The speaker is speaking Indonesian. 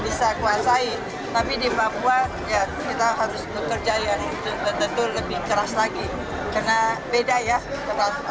bagaimana cara kita mencabaikan tahu bahwa manusia anak berkelanjutan